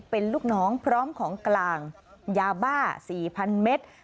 เป็นลูกน้องพร้อมของกลางยาบ้า๔๐๐๐เมตร